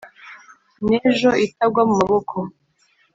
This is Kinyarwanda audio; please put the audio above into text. n’ ejo itagwa mu maboko.